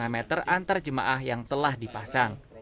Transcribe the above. lima meter antar jemaah yang telah dipasang